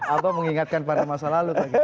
apa mengingatkan pada masa lalu